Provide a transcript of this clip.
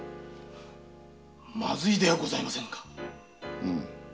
まずいではございませぬか！